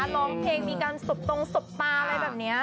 ร้องเพลงมีการสบตรงสบตาอะไรแบบนี้